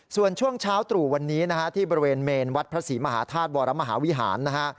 ส่วนช่วงเช้าตรู่วันนี้นะฮะที่บริเวณเมนวัดพระศรีมหาธาตุวรมหาวิหารนะฮะ